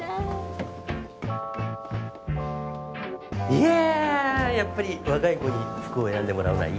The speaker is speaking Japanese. いややっぱり若い子に服を選んでもらうのはいいね。